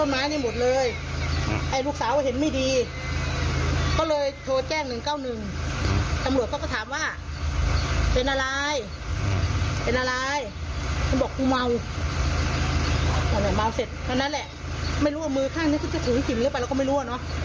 ไม่รู้ว่ามือข้างนี้ก็จะถึงฝิกเหลือไปแล้วก็ไม่รู้ว่าเนาะ